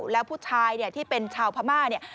แล้วผู้ชายเนี่ยที่เป็นชาวพม่าเนี่ย